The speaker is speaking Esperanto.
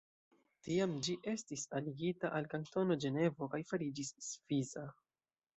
Tiam ĝi estis aligita al Kantono Ĝenevo kaj fariĝis svisa.